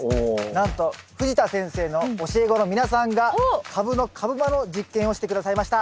なんと藤田先生の教え子の皆さんがカブの株間の実験をして下さいました。